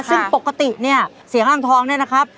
ซึ่งปกติเนี่ยเสียงห้างทองเนี่ยนะครับ